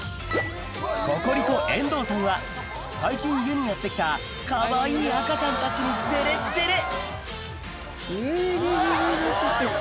ココリコ・遠藤さんは最近家にやって来たかわいい赤ちゃんたちにデレッデレあぁ。